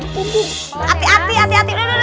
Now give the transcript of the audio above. ati ati ati ati udah taruh dulu